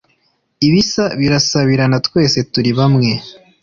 ibisa birasabirana twese turi bamwe